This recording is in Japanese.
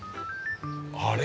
あれ？